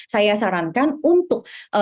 saya sarankan untuk